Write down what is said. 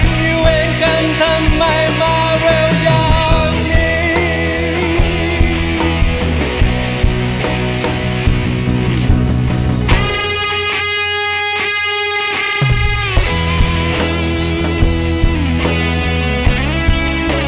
มีเวรกันทำไมมาเร็วอย่างนี้